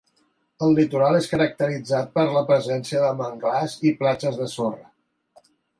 El litoral és caracteritzat per la presència de manglars i platges de sorra.